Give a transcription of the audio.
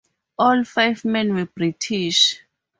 All five men were British.